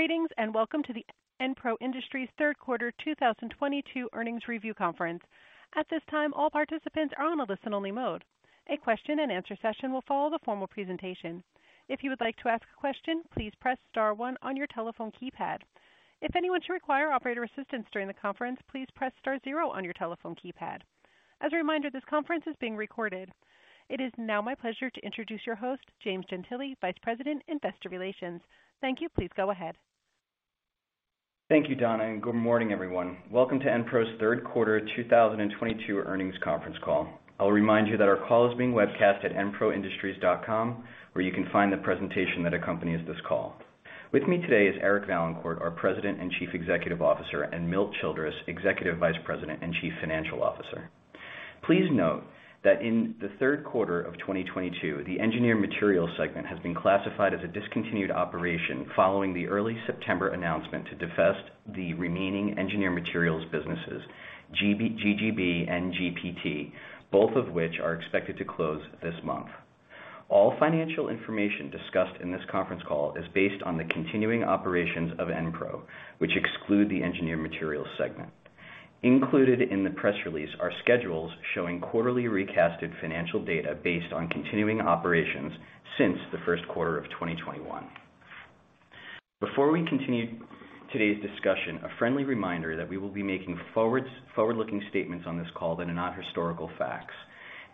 Greetings, and welcome to the Enpro Industries third quarter 2022 earnings review conference. At this time, all participants are on a listen only mode. A question and answer session will follow the formal presentation. If you would like to ask a question, please press star one on your telephone keypad. If anyone should require operator assistance during the conference, please press star zero on your telephone keypad. As a reminder, this conference is being recorded. It is now my pleasure to introduce your host, James Gentile, Vice President, Investor Relations. Thank you. Please go ahead. Thank you, Donna, and good morning, everyone. Welcome to Enpro's third quarter 2022 earnings conference call. I'll remind you that our call is being webcast at enproindustries.com, where you can find the presentation that accompanies this call. With me today is Eric Vaillancourt, our President and Chief Executive Officer, and Milt Childress, Executive Vice President and Chief Financial Officer. Please note that in the third quarter of 2022, the Engineered Materials segment has been classified as a discontinued operation following the early September announcement to divest the remaining Engineered Materials businesses, GGB and GPT, both of which are expected to close this month. All financial information discussed in this conference call is based on the continuing operations of Enpro, which exclude the Engineered Materials segment. Included in the press release are schedules showing quarterly recast financial data based on continuing operations since the first quarter of 2021. Before we continue today's discussion, a friendly reminder that we will be making forward-looking statements on this call that are not historical facts.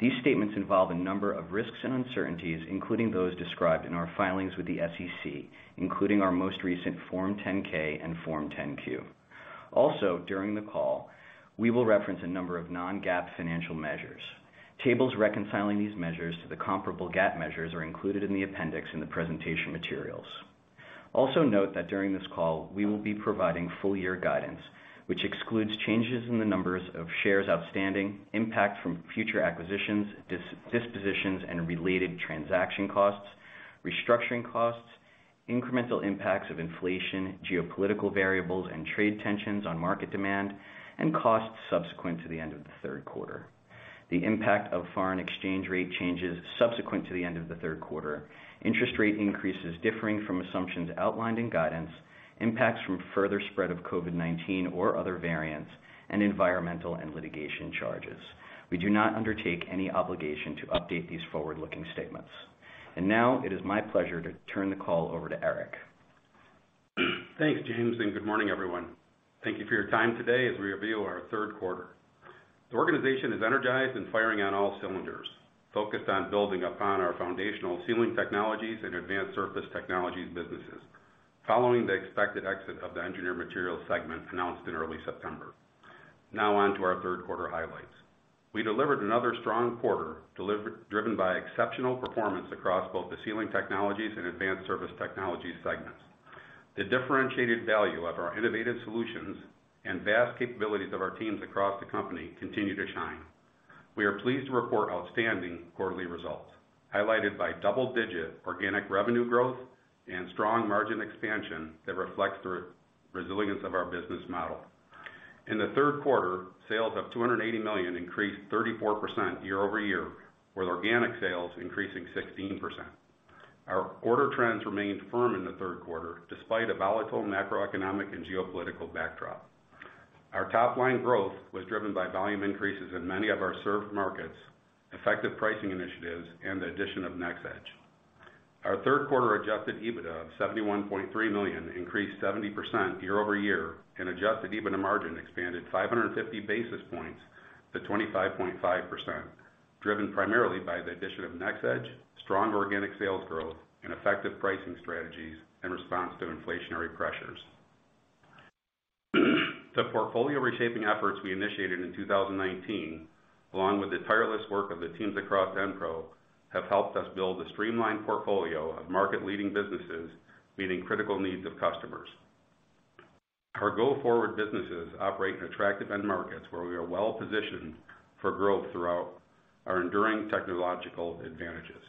These statements involve a number of risks and uncertainties, including those described in our filings with the SEC, including our most recent Form 10-K and Form 10-Q. Also, during the call, we will reference a number of non-GAAP financial measures. Tables reconciling these measures to the comparable GAAP measures are included in the appendix in the presentation materials. Also note that during this call, we will be providing full year guidance, which excludes changes in the numbers of shares outstanding, impact from future acquisitions, dispositions and related transaction costs, restructuring costs, incremental impacts of inflation, geopolitical variables and trade tensions on market demand, and costs subsequent to the end of the third quarter. The impact of foreign exchange rate changes subsequent to the end of the third quarter, interest rate increases differing from assumptions outlined in guidance, impacts from further spread of COVID-19 or other variants, and environmental and litigation charges. We do not undertake any obligation to update these forward-looking statements. Now it is my pleasure to turn the call over to Eric. Thanks, James, and good morning, everyone. Thank you for your time today as we review our third quarter. The organization is energized and firing on all cylinders, focused on building upon our foundational Sealing Technologies and Advanced Surface Technologies businesses following the expected exit of the Engineered Materials segment announced in early September. Now on to our third quarter highlights. We delivered another strong quarter driven by exceptional performance across both the Sealing Technologies and Advanced Surface Technologies segments. The differentiated value of our innovative solutions and vast capabilities of our teams across the company continue to shine. We are pleased to report outstanding quarterly results, highlighted by double-digit organic revenue growth and strong margin expansion that reflects the resilience of our business model. In the third quarter, sales of $280 million increased 34% year-over-year, with organic sales increasing 16%. Our order trends remained firm in the third quarter despite a volatile macroeconomic and geopolitical backdrop. Our top line growth was driven by volume increases in many of our served markets, effective pricing initiatives, and the addition of NxEdge. Our third quarter adjusted EBITDA of $71.3 million increased 70% year-over-year, and adjusted EBITDA margin expanded 550 basis points to 25.5%, driven primarily by the addition of NxEdge, strong organic sales growth and effective pricing strategies in response to inflationary pressures. The portfolio reshaping efforts we initiated in 2019, along with the tireless work of the teams across EnPro, have helped us build a streamlined portfolio of market-leading businesses meeting critical needs of customers. Our go-forward businesses operate in attractive end markets where we are well positioned for growth throughout our enduring technological advantages.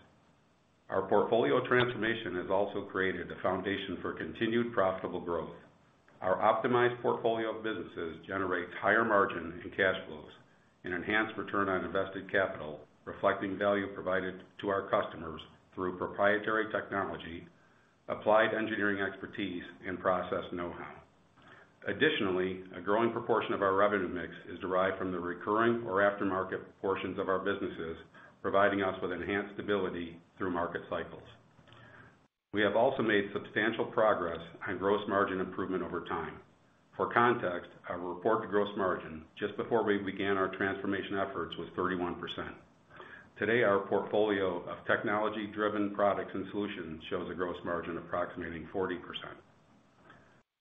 Our portfolio transformation has also created a foundation for continued profitable growth. Our optimized portfolio of businesses generates higher margin and cash flows and enhanced return on invested capital, reflecting value provided to our customers through proprietary technology, applied engineering expertise and process know-how. Additionally, a growing proportion of our revenue mix is derived from the recurring or aftermarket portions of our businesses, providing us with enhanced stability through market cycles. We have also made substantial progress on gross margin improvement over time. For context, our reported gross margin just before we began our transformation efforts was 31%. Today, our portfolio of technology-driven products and solutions shows a gross margin approximating 40%.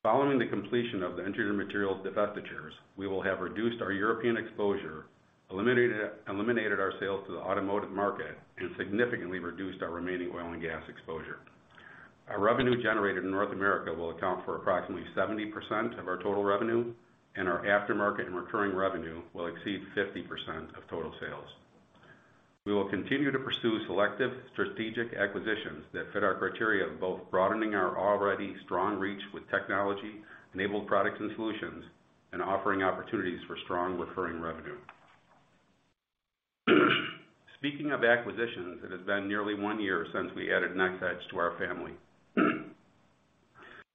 Following the completion of the Engineered Materials divestitures, we will have reduced our European exposure, eliminated our sales to the automotive market, and significantly reduced our remaining oil and gas exposure. Our revenue generated in North America will account for approximately 70% of our total revenue, and our aftermarket and recurring revenue will exceed 50% of total sales. We will continue to pursue selective strategic acquisitions that fit our criteria of both broadening our already strong reach with technology-enabled products and solutions and offering opportunities for strong recurring revenue. Speaking of acquisitions, it has been nearly one year since we added NxEdge to our family.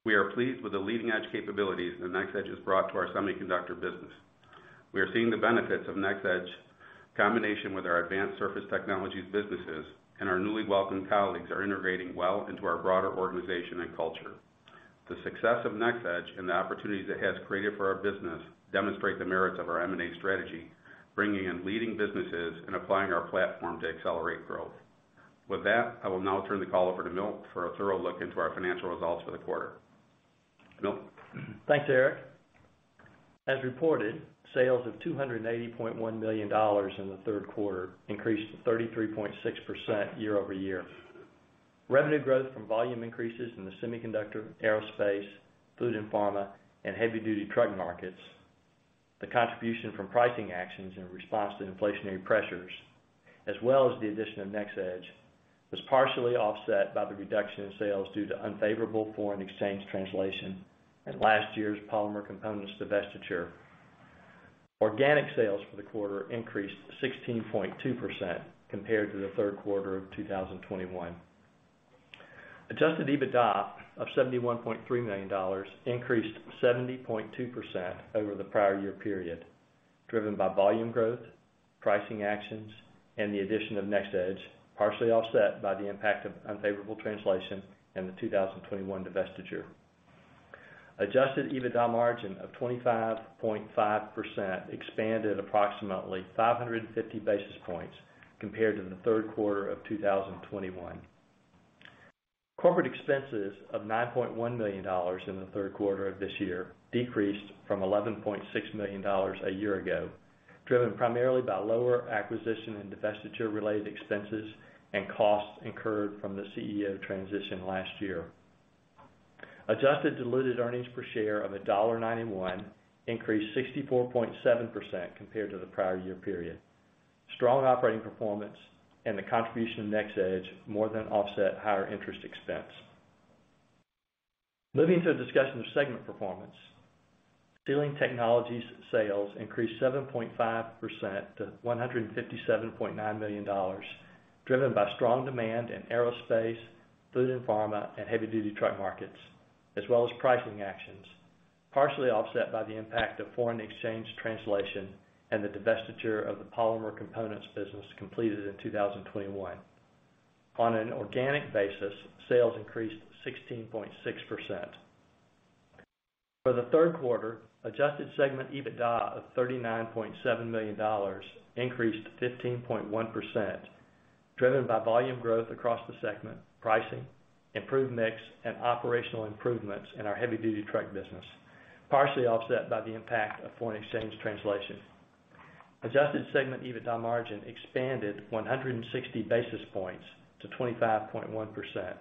We are pleased with the leading-edge capabilities that NxEdge has brought to our semiconductor business. We are seeing the benefits of NxEdge combination with our Advanced Surface Technologies businesses, and our newly welcomed colleagues are integrating well into our broader organization and culture. The success of NxEdge and the opportunities it has created for our business demonstrate the merits of our M&A strategy, bringing in leading businesses and applying our platform to accelerate growth. With that, I will now turn the call over to Milt for a thorough look into our financial results for the quarter. Milt? Thanks, Eric. As reported, sales of $280.1 million in the third quarter increased 33.6% year-over-year. Revenue growth from volume increases in the semiconductor, aerospace, food and pharma, and heavy-duty truck markets, the contribution from pricing actions in response to inflationary pressures, as well as the addition of NxEdge, was partially offset by the reduction in sales due to unfavorable foreign exchange translation and last year's polymer components divestiture. Organic sales for the quarter increased 16.2% compared to the third quarter of 2021. Adjusted EBITDA of $71.3 million increased 70.2% over the prior year period, driven by volume growth, pricing actions, and the addition of NxEdge, partially offset by the impact of unfavorable translation in the 2021 divestiture. Adjusted EBITDA margin of 25.5% expanded approximately 550 basis points compared to the third quarter of 2021. Corporate expenses of $9.1 million in the third quarter of this year decreased from $11.6 million a year ago, driven primarily by lower acquisition and divestiture-related expenses and costs incurred from the CEO transition last year. Adjusted diluted earnings per share of $1.91 increased 64.7% compared to the prior year period. Strong operating performance and the contribution of NxEdge more than offset higher interest expense. Moving to a discussion of segment performance. Sealing Technologies sales increased 7.5% to $157.9 million, driven by strong demand in aerospace, food and pharma, and heavy-duty truck markets, as well as pricing actions, partially offset by the impact of foreign exchange translation and the divestiture of the polymer components business completed in 2021. On an organic basis, sales increased 16.6%. For the third quarter, adjusted segment EBITDA of $39.7 million increased 15.1%, driven by volume growth across the segment, pricing, improved mix, and operational improvements in our heavy-duty truck business, partially offset by the impact of foreign exchange translation. Adjusted segment EBITDA margin expanded 160 basis points to 25.1%.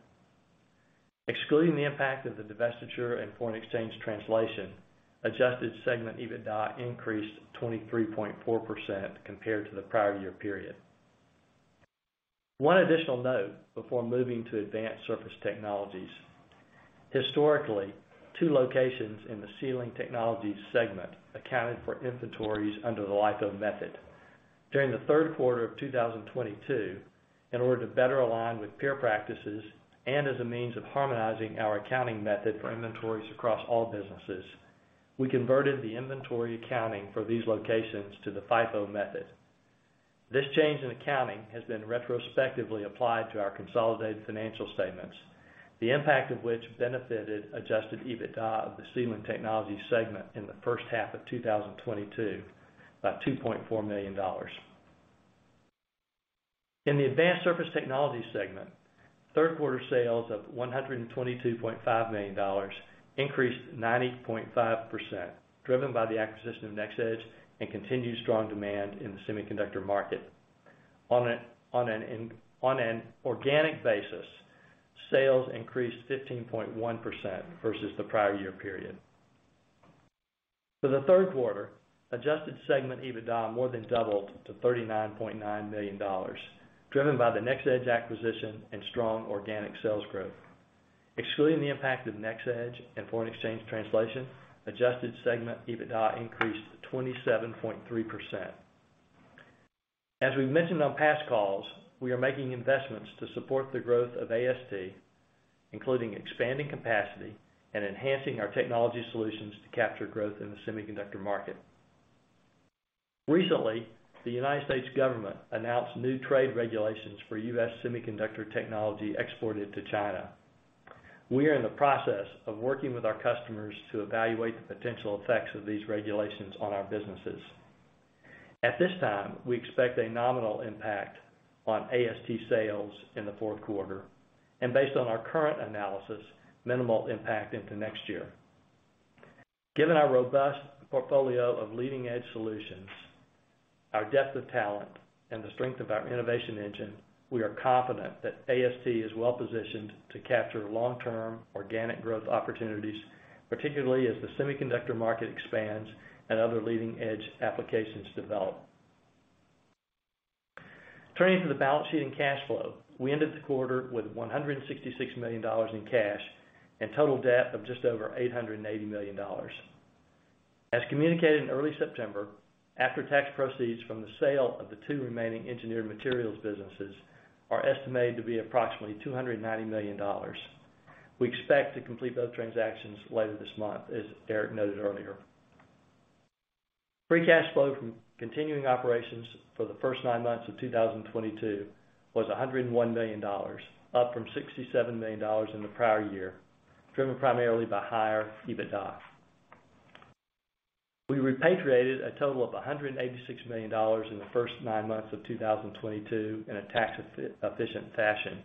Excluding the impact of the divestiture and foreign exchange translation, adjusted segment EBITDA increased 23.4% compared to the prior year period. One additional note before moving to Advanced Surface Technologies. Historically, two locations in the Sealing Technologies segment accounted for inventories under the LIFO method. During the third quarter of 2022, in order to better align with peer practices and as a means of harmonizing our accounting method for inventories across all businesses, we converted the inventory accounting for these locations to the FIFO method. This change in accounting has been retrospectively applied to our consolidated financial statements, the impact of which benefited adjusted EBITDA of the Sealing Technologies segment in the first half of 2022 by $2.4 million. In the Advanced Surface Technologies segment, third quarter sales of $122.5 million increased 90.5%, driven by the acquisition of NxEdge and continued strong demand in the semiconductor market. On an organic basis, sales increased 15.1% versus the prior year period. For the third quarter, adjusted segment EBITDA more than doubled to $39.9 million, driven by the NxEdge acquisition and strong organic sales growth. Excluding the impact of NxEdge and foreign exchange translation, adjusted segment EBITDA increased 27.3%. As we've mentioned on past calls, we are making investments to support the growth of AST, including expanding capacity and enhancing our technology solutions to capture growth in the semiconductor market. Recently, the United States government announced new trade regulations for U.S. semiconductor technology exported to China. We are in the process of working with our customers to evaluate the potential effects of these regulations on our businesses. At this time, we expect a nominal impact on AST sales in the fourth quarter, and based on our current analysis, minimal impact into next year. Given our robust portfolio of leading-edge solutions, our depth of talent, and the strength of our innovation engine, we are confident that AST is well-positioned to capture long-term organic growth opportunities, particularly as the semiconductor market expands and other leading-edge applications develop. Turning to the balance sheet and cash flow, we ended the quarter with $166 million in cash and total debt of just over $880 million. As communicated in early September, after-tax proceeds from the sale of the two remaining Engineered Materials businesses are estimated to be approximately $290 million. We expect to complete those transactions later this month, as Eric noted earlier. Free cash flow from continuing operations for the first nine months of 2022 was $101 million, up from $67 million in the prior year, driven primarily by higher EBITDA. We repatriated a total of $186 million in the first nine months of 2022 in a tax-efficient fashion.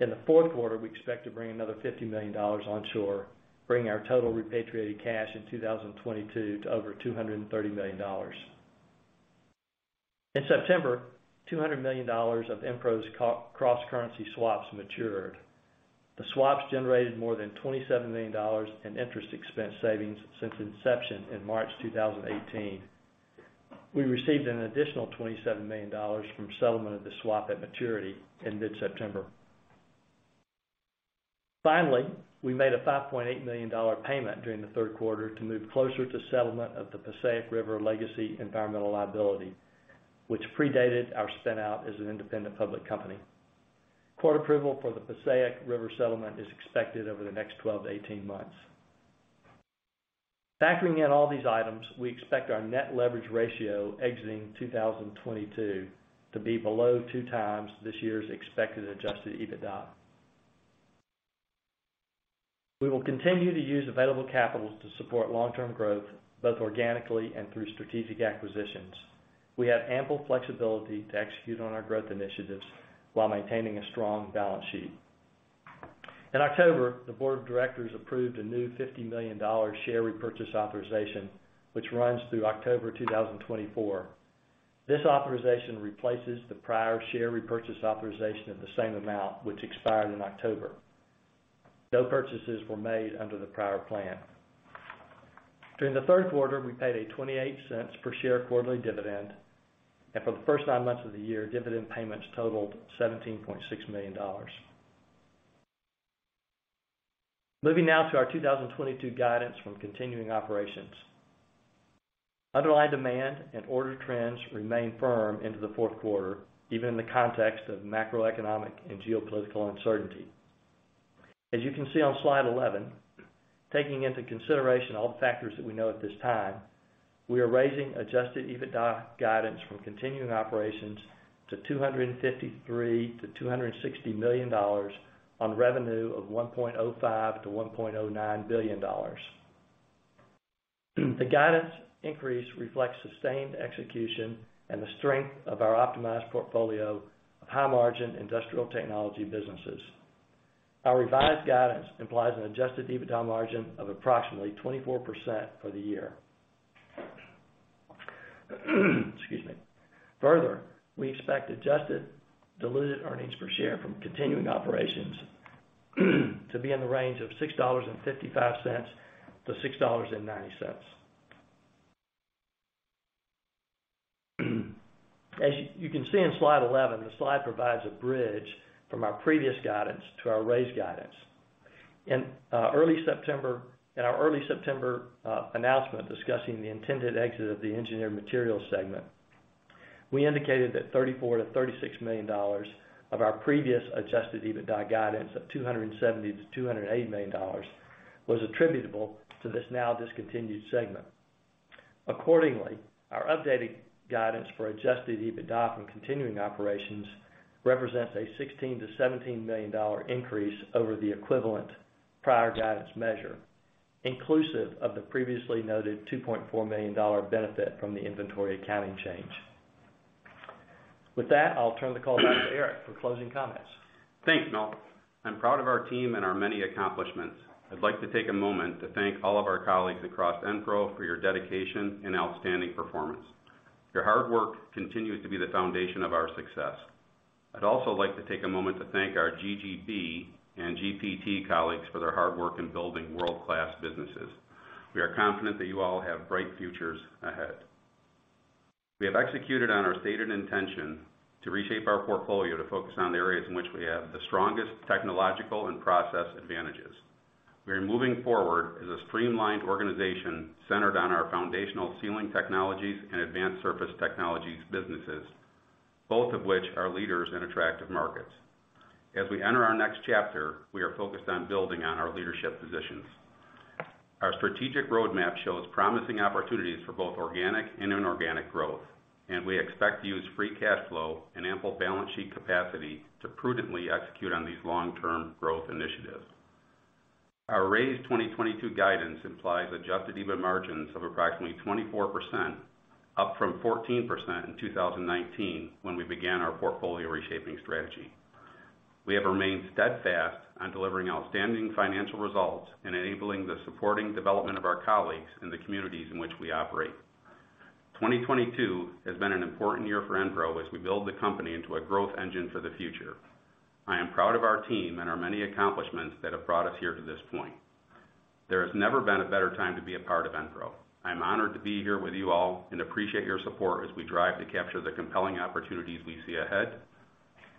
In the fourth quarter, we expect to bring another $50 million onshore, bringing our total repatriated cash in 2022 to over $230 million. In September, $200 million of Enpro's cross-currency swaps matured. The swaps generated more than $27 million in interest expense savings since inception in March 2018. We received an additional $27 million from settlement of the swap at maturity in mid-September. Finally, we made a $5.8 million payment during the third quarter to move closer to settlement of the Passaic River legacy environmental liability, which predated our spin-out as an independent public company. Court approval for the Passaic River settlement is expected over the next 12-18 months. Factoring in all these items, we expect our net leverage ratio exiting 2022 to be below 2x this year's expected adjusted EBITDA. We will continue to use available capital to support long-term growth, both organically and through strategic acquisitions. We have ample flexibility to execute on our growth initiatives while maintaining a strong balance sheet. In October, the board of directors approved a new $50 million share repurchase authorization, which runs through October 2024. This authorization replaces the prior share repurchase authorization of the same amount, which expired in October. No purchases were made under the prior plan. During the third quarter, we paid a $0.28 per share quarterly dividend, and for the first nine months of the year, dividend payments totaled $17.6 million. Moving now to our 2022 guidance from continuing operations. Underlying demand and order trends remain firm into the fourth quarter, even in the context of macroeconomic and geopolitical uncertainty. As you can see on slide 11, taking into consideration all the factors that we know at this time, we are raising adjusted EBITDA guidance from continuing operations to $253 million-$260 million on revenue of $1.05 billion-$1.09 billion. The guidance increase reflects sustained execution and the strength of our optimized portfolio of high-margin industrial technology businesses. Our revised guidance implies an adjusted EBITDA margin of approximately 24% for the year. Excuse me. Further, we expect adjusted diluted earnings per share from continuing operations to be in the range of $6.55-$6.90. As you can see in slide 11, the slide provides a bridge from our previous guidance to our raised guidance. In our early September announcement discussing the intended exit of the Engineered Materials segment, we indicated that $34 million-$36 million of our previous adjusted EBITDA guidance of $270 million-$280 million was attributable to this now discontinued segment. Accordingly, our updated guidance for adjusted EBITDA from continuing operations represents a $16 million-$17 million increase over the equivalent prior guidance measure, inclusive of the previously noted $2.4 million benefit from the inventory accounting change. With that, I'll turn the call back to Eric for closing comments. Thanks, Milt. I'm proud of our team and our many accomplishments. I'd like to take a moment to thank all of our colleagues across Enpro for your dedication and outstanding performance. Your hard work continues to be the foundation of our success. I'd also like to take a moment to thank our GGB and GPT colleagues for their hard work in building world-class businesses. We are confident that you all have bright futures ahead. We have executed on our stated intention to reshape our portfolio to focus on areas in which we have the strongest technological and process advantages. We are moving forward as a streamlined organization centered on our foundational Sealing Technologies and Advanced Surface Technologies businesses, both of which are leaders in attractive markets. As we enter our next chapter, we are focused on building on our leadership positions. Our strategic roadmap shows promising opportunities for both organic and inorganic growth, and we expect to use free cash flow and ample balance sheet capacity to prudently execute on these long-term growth initiatives. Our raised 2022 guidance implies adjusted EBIT margins of approximately 24%, up from 14% in 2019 when we began our portfolio reshaping strategy. We have remained steadfast on delivering outstanding financial results and enabling the supporting development of our colleagues in the communities in which we operate. 2022 has been an important year for Enpro as we build the company into a growth engine for the future. I am proud of our team and our many accomplishments that have brought us here to this point. There has never been a better time to be a part of Enpro. I'm honored to be here with you all and appreciate your support as we drive to capture the compelling opportunities we see ahead.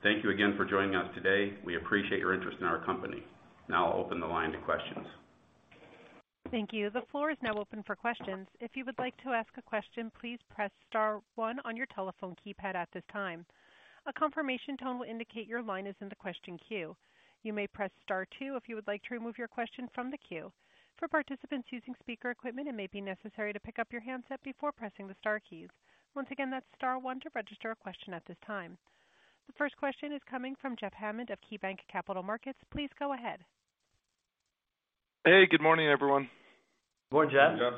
Thank you again for joining us today. We appreciate your interest in our company. Now I'll open the line to questions. Thank you. The floor is now open for questions. If you would like to ask a question, please press star one on your telephone keypad at this time. A confirmation tone will indicate your line is in the question queue. You may press star two if you would like to remove your question from the queue. For participants using speaker equipment, it may be necessary to pick up your handset before pressing the star keys. Once again, that's star one to register a question at this time. The first question is coming from Jeff Hammond of KeyBanc Capital Markets. Please go ahead. Hey, good morning, everyone. Good morning, Jeff.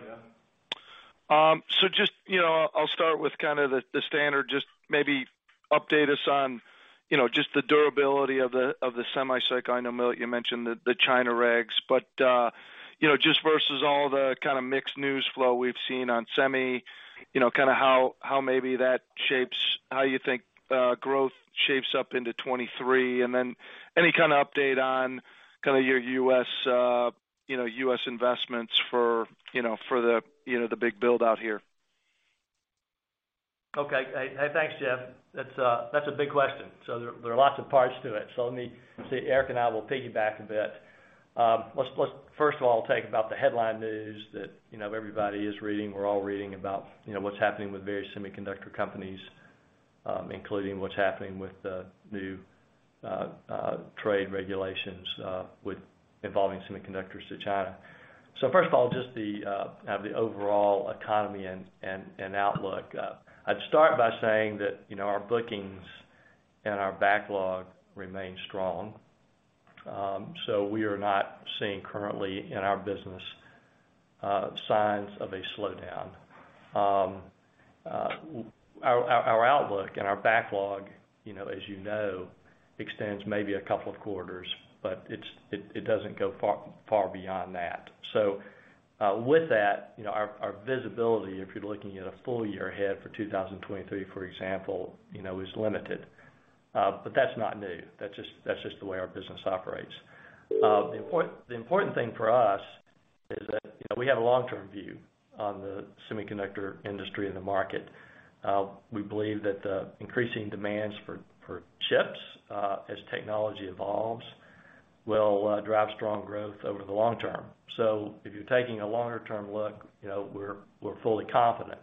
I'll start with kind of the standard, just maybe update us on, you know, just the durability of the semi-cycle. I know, Milt, you mentioned the China regs, but, you know, just versus all the kind of mixed news flow we've seen on semi, you know, kind of how maybe that shapes how you think, growth shapes up into 2023. Then any kind of update on kind of your US investments for the big build out here. Okay. Hey, thanks, Jeff. That's a big question. There are lots of parts to it. Let me see, Eric and I will piggyback a bit. Let's first of all talk about the headline news that, you know, everybody is reading, we're all reading about, you know, what's happening with various semiconductor companies, including what's happening with the new trade regulations involving semiconductors to China. First of all, just the overall economy and outlook. I'd start by saying that, you know, our bookings and our backlog remain strong. So we are not seeing currently in our business signs of a slowdown. Our outlook and our backlog, you know, as you know, extends maybe a couple of quarters, but it doesn't go far beyond that. With that, you know, our visibility, if you're looking at a full year ahead for 2023, for example, you know, is limited. That's not new. That's just the way our business operates. The important thing for us is that, you know, we have a long-term view on the semiconductor industry and the market. We believe that the increasing demands for chips as technology evolves will drive strong growth over the long term. If you're taking a longer term look, you know, we're fully confident.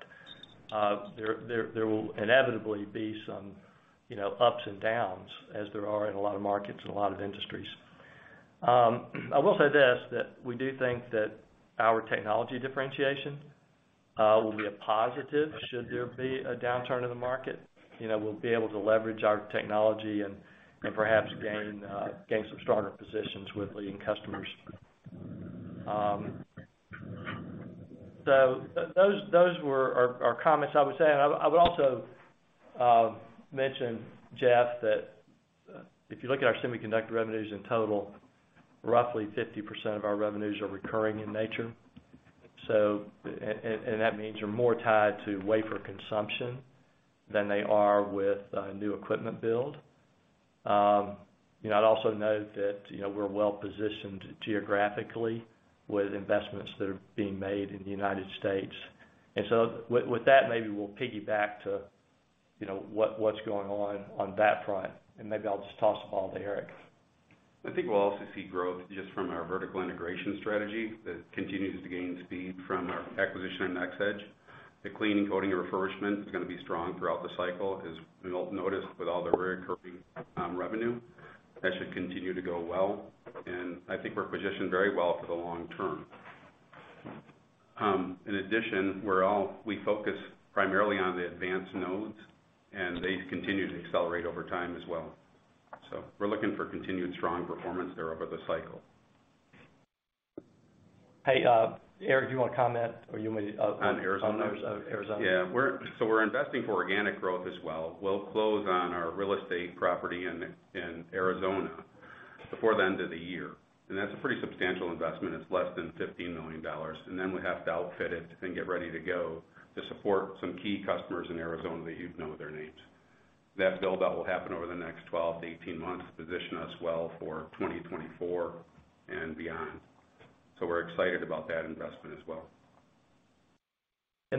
There will inevitably be some, you know, ups and downs as there are in a lot of markets and a lot of industries. I will say this, that we do think that our technology differentiation will be a positive, should there be a downturn in the market. You know, we'll be able to leverage our technology and perhaps gain some stronger positions with leading customers. Those were our comments, I would say. I would also mention, Jeff, that if you look at our semiconductor revenues in total, roughly 50% of our revenues are recurring in nature. That means they're more tied to wafer consumption than they are with new equipment build. You know, I'd also note that we're well positioned geographically with investments that are being made in the United States. With that, maybe we'll piggyback to, you know, what's going on that front, and maybe I'll just toss the ball to Eric. I think we'll also see growth just from our vertical integration strategy that continues to gain speed from our acquisition of NxEdge. The clean and coating and refurbishment is gonna be strong throughout the cycle. As we all noticed with all the recurring revenue, that should continue to go well, and I think we're positioned very well for the long term. In addition, we focus primarily on the advanced nodes, and they continue to accelerate over time as well. We're looking for continued strong performance there over the cycle. Hey, Eric, do you wanna comment or you may? On Arizona? On Arizona. Yeah. We're investing for organic growth as well. We'll close on our real estate property in Arizona before the end of the year, and that's a pretty substantial investment. It's less than $15 million, and then we have to outfit it and get ready to go to support some key customers in Arizona that you'd know their names. That build-out will happen over the next 12-18 months, position us well for 2024 and beyond. We're excited about that investment as well. We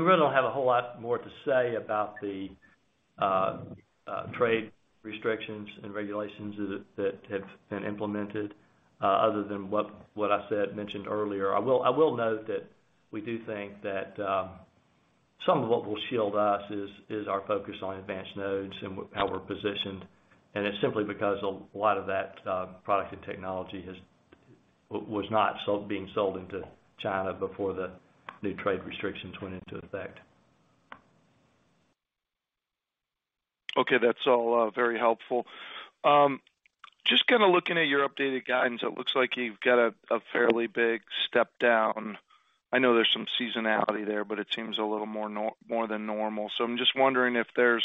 really don't have a whole lot more to say about the trade restrictions and regulations that have been implemented other than what I mentioned earlier. I will note that we do think that some of what will shield us is our focus on advanced nodes and how we're positioned. It's simply because a lot of that product and technology was not being sold into China before the new trade restrictions went into effect. Okay. That's all, very helpful. Just kinda looking at your updated guidance, it looks like you've got a fairly big step down. I know there's some seasonality there, but it seems a little more than normal. I'm just wondering if there's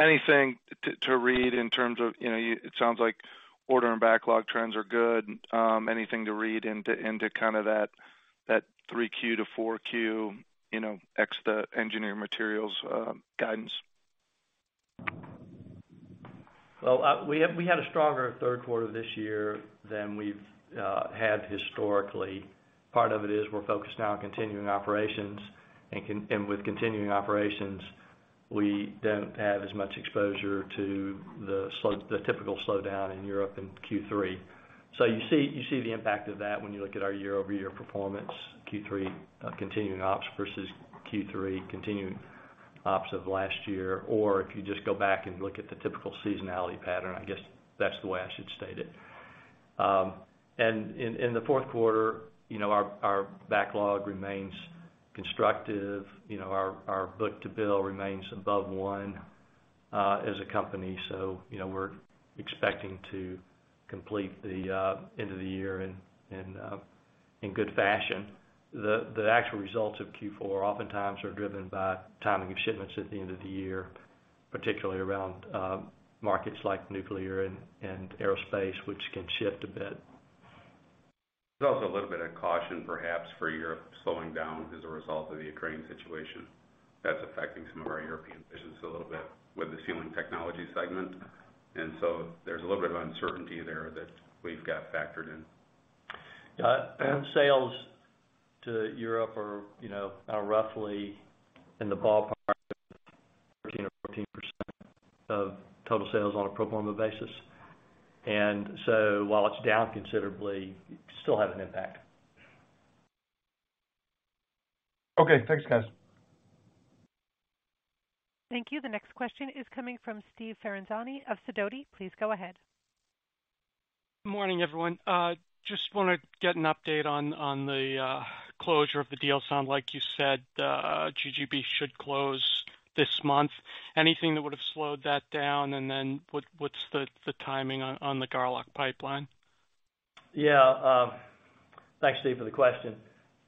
anything to read in terms of, you know, it sounds like order and backlog trends are good. Anything to read into kind of that 3Q to 4Q, you know, ex the Engineered Materials guidance? We had a stronger third quarter this year than we've had historically. Part of it is we're focused now on continuing operations. With continuing operations, we don't have as much exposure to the typical slowdown in Europe in Q3. You see the impact of that when you look at our year-over-year performance, Q3 continuing ops versus Q3 continuing ops of last year. If you just go back and look at the typical seasonality pattern, I guess that's the way I should state it. In the fourth quarter, you know, our backlog remains constructive. You know, our book-to-bill remains above one as a company. You know, we're expecting to complete the end of the year in good fashion. The actual results of Q4 oftentimes are driven by timing of shipments at the end of the year, particularly around markets like nuclear and aerospace, which can shift a bit. There's also a little bit of caution, perhaps, for Europe slowing down as a result of the Ukraine situation. That's affecting some of our European business a little bit with the Sealing Technologies segment. There's a little bit of uncertainty there that we've got factored in. Yeah. Sales to Europe are, you know, roughly in the ballpark of 13%-14% of total sales on a pro forma basis. While it's down considerably, you still have an impact. Okay, thanks guys. Thank you. The next question is coming from Steve Ferazani of Sidoti & Company. Please go ahead. Morning, everyone. Just wanna get an update on the closure of the deal. Sounds like you said GGB should close this month. Anything that would have slowed that down? What's the timing on the Garlock pipeline? Yeah. Thanks, Steve, for the question.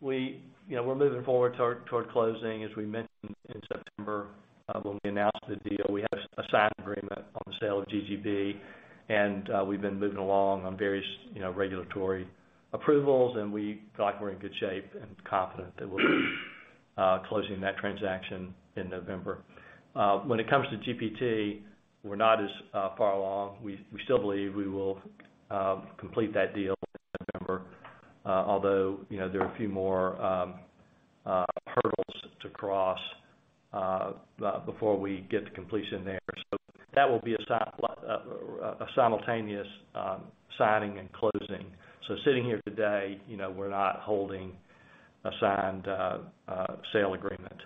We, you know, we're moving forward toward closing. As we mentioned in September, when we announced the deal, we have a signed agreement on the sale of GGB, and we've been moving along on various, you know, regulatory approvals, and we feel like we're in good shape and confident that we'll be closing that transaction in November. When it comes to GPT, we're not as far along. We still believe we will complete that deal in November, although, you know, there are a few more hurdles to cross before we get to completion there. That will be a simultaneous signing and closing. Sitting here today, you know, we're not holding a signed sale agreement.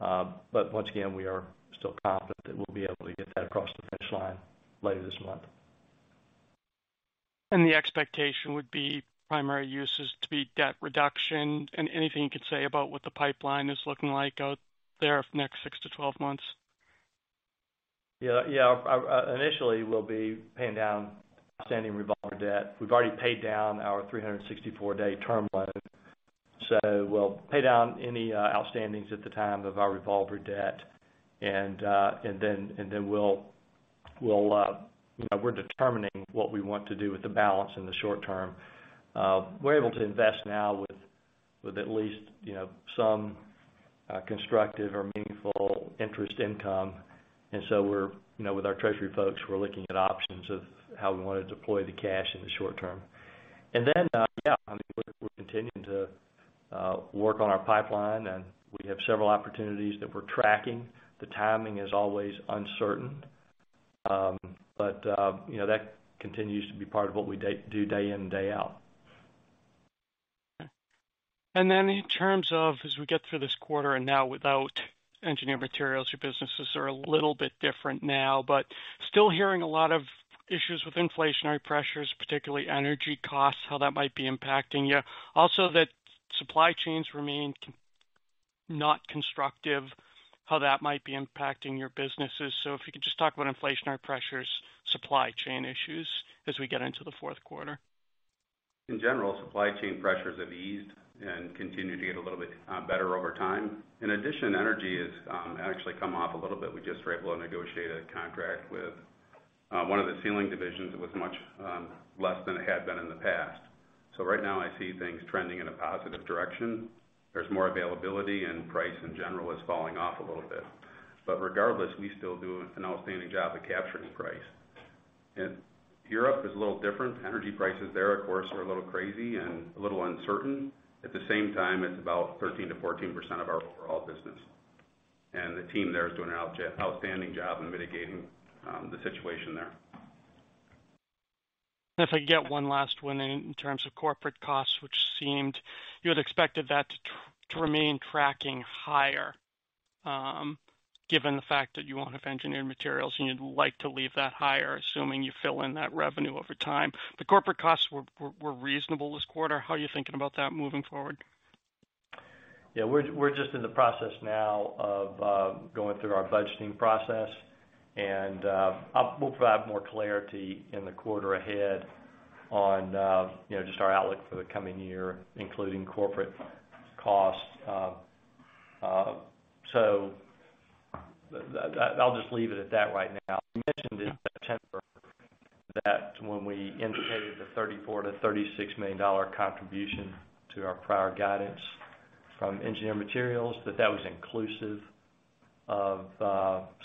Once again, we are still confident that we'll be able to get that across the finish line later this month. The expectation would be primary uses to be debt reduction. Anything you could say about what the pipeline is looking like out there for the next -12 months? Initially, we'll be paying down outstanding revolver debt. We've already paid down our 364-day term loan. We'll pay down any outstandings at the time of our revolver debt. Then we'll, you know, we're determining what we want to do with the balance in the short term. We're able to invest now with at least, you know, some constructive or meaningful interest income. You know, with our treasury folks, we're looking at options of how we wanna deploy the cash in the short term. I mean, we're continuing to work on our pipeline, and we have several opportunities that we're tracking. The timing is always uncertain. you know, that continues to be part of what we do day in and day out. Then in terms of as we get through this quarter and now without Engineered Materials, your businesses are a little bit different now. Still hearing a lot of issues with inflationary pressures, particularly energy costs, how that might be impacting you. Also, that supply chains remain not constructive, how that might be impacting your businesses. If you could just talk about inflationary pressures, supply chain issues as we get into the fourth quarter. In general, supply chain pressures have eased and continue to get a little bit better over time. In addition, energy has actually come off a little bit. We just were able to negotiate a contract with one of the sealing divisions. It was much less than it had been in the past. Right now I see things trending in a positive direction. There's more availability, and price in general is falling off a little bit. Regardless, we still do an outstanding job at capturing price. Europe is a little different. Energy prices there, of course, are a little crazy and a little uncertain. At the same time, it's about 13%-14% of our overall business, and the team there is doing an outstanding job in mitigating the situation there. If I could get one last one in terms of corporate costs, which seemed you had expected that to remain tracking higher, given the fact that you won't have Engineered Materials and you'd like to leave that higher, assuming you fill in that revenue over time. The corporate costs were reasonable this quarter. How are you thinking about that moving forward? Yeah, we're just in the process now of going through our budgeting process. We'll provide more clarity in the quarter ahead on you know just our outlook for the coming year, including corporate costs. I'll just leave it at that right now. We mentioned in September that when we indicated the $34 million-$36 million contribution to our prior guidance from Engineered Materials, that was inclusive of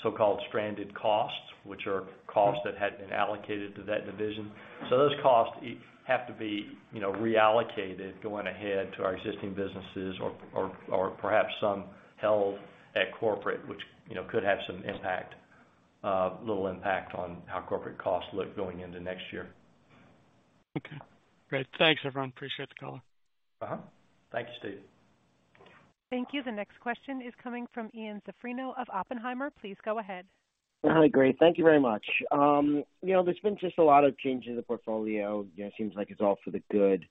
so-called stranded costs, which are costs that hadn't been allocated to that division. Those costs have to be you know reallocated going ahead to our existing businesses or perhaps some held at corporate, which you know could have some impact, a little impact on how corporate costs look going into next year. Okay, great. Thanks, everyone. Appreciate the call. Uh-huh. Thank you, Steve. Thank you. The next question is coming from Ian Zaffino of Oppenheimer. Please go ahead. Hi. Great. Thank you very much. You know, there's been just a lot of changes in the portfolio. You know, it seems like it's all for the good.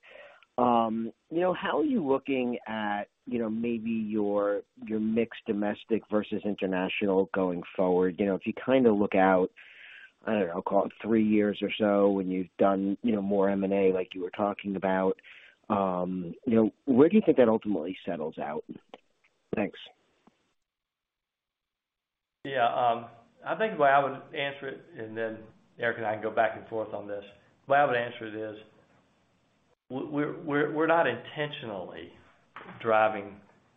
You know, how are you looking at, you know, maybe your mix domestic versus international going forward? You know, if you kinda look out, I don't know, call it three years or so when you've done, you know, more M&A like you were talking about, you know, where do you think that ultimately settles out? Thanks. Yeah. I think the way I would answer it, and then Eric and I can go back and forth on this. The way I would answer it is we're not intentionally driving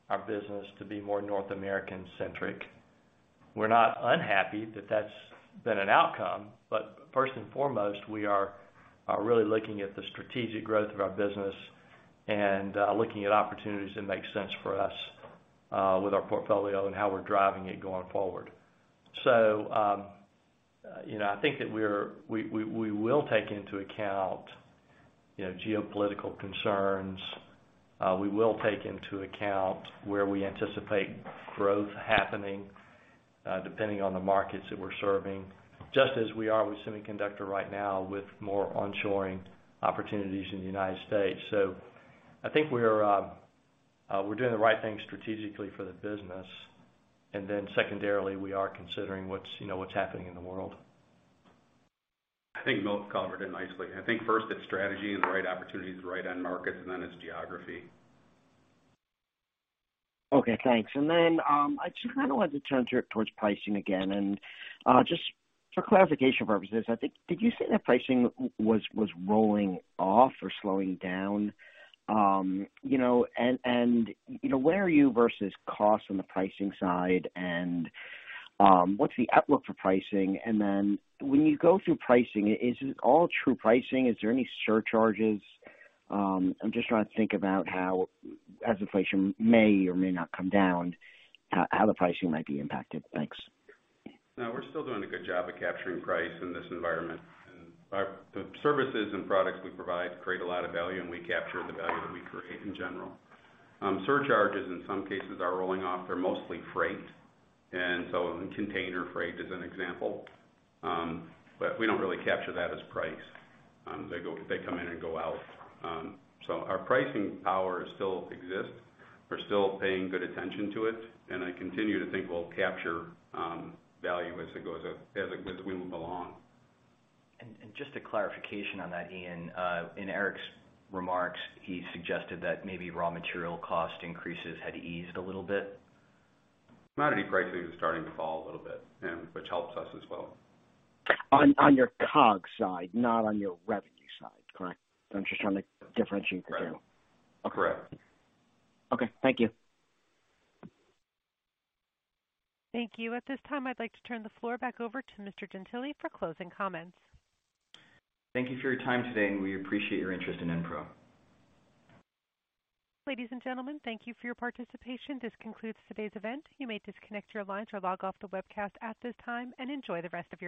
our business to be more North American centric. We're not unhappy that that's been an outcome. First and foremost, we are really looking at the strategic growth of our business and looking at opportunities that make sense for us with our portfolio and how we're driving it going forward. You know, I think that we will take into account, you know, geopolitical concerns. We will take into account where we anticipate growth happening depending on the markets that we're serving, just as we are with semiconductor right now with more onshoring opportunities in the United States. I think we're doing the right thing strategically for the business. Then secondarily, we are considering what's, you know, what's happening in the world. I think Milt covered it nicely. I think first it's strategy and the right opportunities, the right end markets, and then it's geography. Okay, thanks. I just kind of wanted to turn towards pricing again. Just for clarification purposes, I think, did you say that pricing was rolling off or slowing down? You know, where are you versus costs on the pricing side? What's the outlook for pricing? When you go through pricing, is it all true pricing? Is there any surcharges? I'm just trying to think about how as inflation may or may not come down, how the pricing might be impacted. Thanks. No, we're still doing a good job at capturing price in this environment. The services and products we provide create a lot of value, and we capture the value that we create in general. Surcharges in some cases are rolling off. They're mostly freight, and so container freight is an example. We don't really capture that as price. They come in and go out. Our pricing power still exists. We're still paying good attention to it, and I continue to think we'll capture value as it goes, as we move along. Just a clarification on that, Ian. In Eric's remarks, he suggested that maybe raw material cost increases had eased a little bit. Commodity freight rates are starting to fall a little bit, yeah, which helps us as well. On your COGS side, not on your revenue side, correct? I'm just trying to differentiate the two. Correct. Okay. Thank you. Thank you. At this time, I'd like to turn the floor back over to Mr. Gentile for closing comments. Thank you for your time today, and we appreciate your interest in Enpro. Ladies and gentlemen, thank you for your participation. This concludes today's event. You may disconnect your lines or log off the webcast at this time and enjoy the rest of your day.